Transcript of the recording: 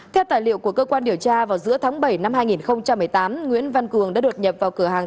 theo tài liệu của cơ quan điều tra vào giữa tháng bảy năm hai nghìn một mươi tám nguyễn văn cường đã đột nhập vào cửa hàng